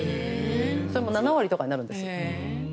それも７割とかになるんです。